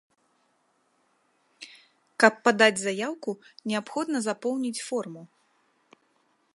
Каб падаць заяўку, неабходна запоўніць форму.